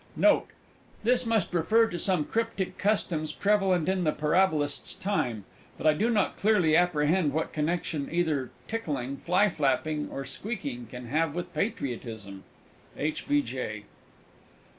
Note. This must refer to some Cryptic customs prevalent in the Parabolist's time. But I do not clearly apprehend what connection either tickling, fly flapping, or squeaking can have with Patriotism! H. B. J.